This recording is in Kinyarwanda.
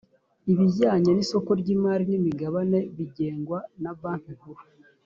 ibijyanye n’isoko ry’imari n’imigabane bigengwa na banki nkuru